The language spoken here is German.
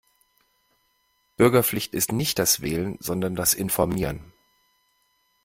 Bürgerpflicht ist nicht das Wählen sondern das Informieren.